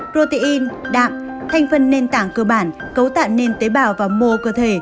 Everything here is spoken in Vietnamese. protein đạm thanh phân nền tảng cơ bản cấu tạng nền tế bào và mô cơ thể